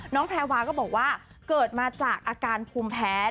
แพรวาก็บอกว่าเกิดมาจากอาการภูมิแพ้